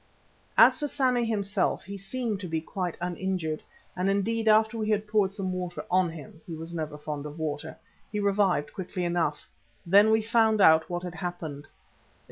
As for Sammy himself, he seemed to be quite uninjured, and indeed after we had poured some water on him he was never fond of water he revived quickly enough. Then we found out what had happened.